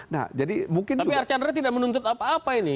tapi arkandra tidak menuntut apa apa ini